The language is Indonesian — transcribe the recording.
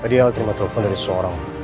tadi al terima telepon dari seseorang